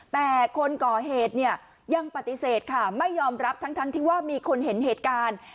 แต่คนก่อเหตุเนี่ยยังปฏิเสธค่ะไม่ยอมรับทั้งที่ว่ามีคนเห็นเหตุการณ์